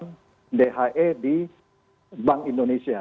yang dhe di bank indonesia